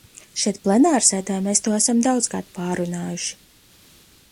Šeit plenārsēdē mēs to esam daudzkārt pārrunājuši.